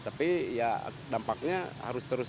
tapi ya dampaknya harus terus